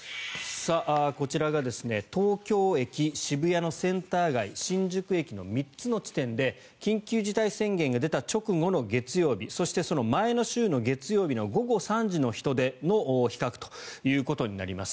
こちらが東京駅、渋谷のセンター街新宿駅の３つの地点で緊急事態宣言が出た直後の月曜日そして、その前の週の月曜日の午後３時の人出の比較ということになります。